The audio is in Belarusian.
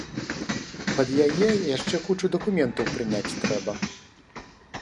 Пад яе яшчэ кучу дакументаў прыняць трэба.